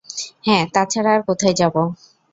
হ্যা, তাছাড়া আর কোথায় যাবো।